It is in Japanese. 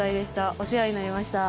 お世話になりました。